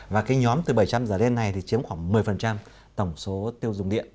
và cái nhóm từ bảy trăm linh kwh giả đen này thì chiếm khoảng một mươi tổng số tiêu dùng điện